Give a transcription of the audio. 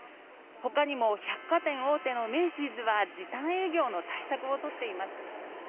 ほかにも百貨店大手のメイシーズは時短営業の対策をとっています